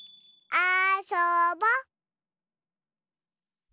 あそぼ。